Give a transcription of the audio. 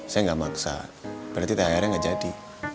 saya gak maksa berarti thr nya gak jadi